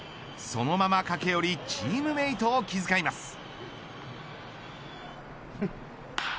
そのまま駆け寄りチームメートを気使います。